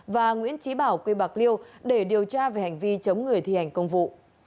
và nguyễn trí bảo quê bạc liêu để điều tra về hành vi chống người thi hành công vụ